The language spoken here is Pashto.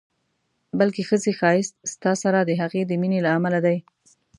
بلکې ښځې ښایست ستا سره د هغې د مینې له امله دی.